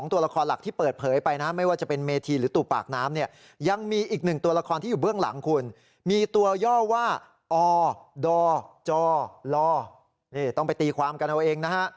ที่อยู่เบื้องหลังคุณมีตัวย่อว่าอดจลต้องไปตีความกันเอาเองนะฮะ